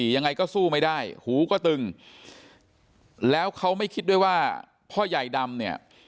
ยังไงก็สู้ไม่ได้หูก็ตึงแล้วเขาไม่คิดด้วยว่าพ่อใหญ่ดำเนี่ย